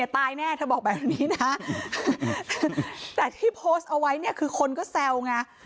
แต่ที่โพสต์เอาไว้เนี่ยคือคนก็แซวไง